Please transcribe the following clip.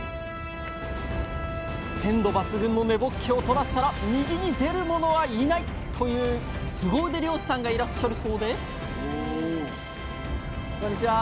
「鮮度抜群の根ぼっけをとらせたら右に出る者はいない！」というスゴ腕漁師さんがいらっしゃるそうでこんにちは。